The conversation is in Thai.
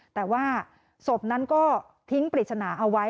แต่ว่าศพนั้นก็ทิ้งปริศนาเอาไว้